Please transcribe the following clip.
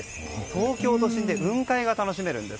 東京都心で雲海が楽しめるんです。